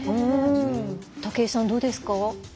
武井さん、どうですか？